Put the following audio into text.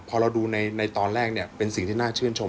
พอเราดูในตอนแรกเนี่ยเป็นสิ่งที่น่าชื่นชม